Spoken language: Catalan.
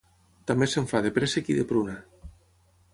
També se'n fa de préssec i de pruna.